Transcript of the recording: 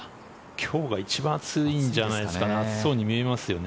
今日が一番暑いんじゃないですかね。